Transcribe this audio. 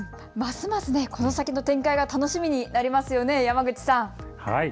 ますますこの先の展開が楽しみになりますよね、山口さん。